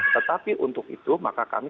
tetapi untuk itu maka kami